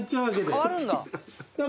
変わるんだ。